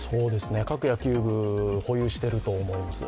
各野球部で保有していると思います。